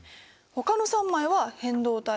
ほかの３枚は変動帯。